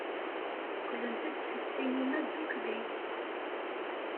Qqlent-d seg ssinima ddukkli.